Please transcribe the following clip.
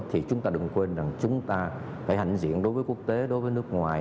thì chúng ta đừng quên rằng chúng ta phải hành diện đối với quốc tế đối với nước ngoài